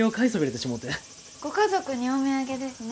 ご家族にお土産ですね。